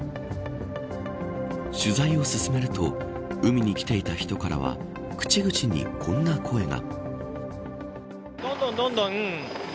取材を進めると海に来ていた人からは口々にこんな声が。